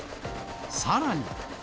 さらに。